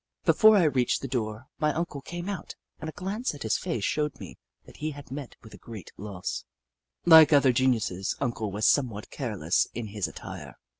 Before I reached the door, my Uncle came out, and a glance at his face showed me that he had met with a sfreat loss. Like other geniuses. Uncle was somewhat careless in his attire.